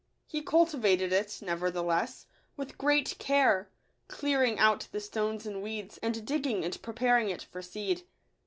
He cultivated it, nevertheless, with great care, clearing out the stones and weeds, and digging and preparing it for seed.